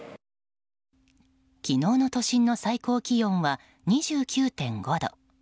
昨日の都心の最高気温は２９．５度。